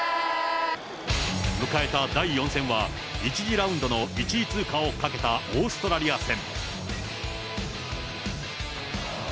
迎えた第４戦は１次ラウンドの１位通過をかけたオーストラリア戦。